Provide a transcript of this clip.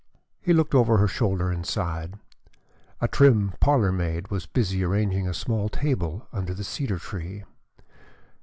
He looked over her shoulder and sighed. A trim parlor maid was busy arranging a small table under the cedar tree.